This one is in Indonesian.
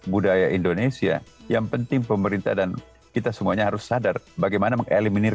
budaya indonesia yang penting pemerintah dan kita semuanya harus sadar bagaimana mengeliminir